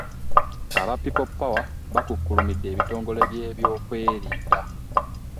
Aba people power bakukkulumidde ebitongole by'ebyokwerinda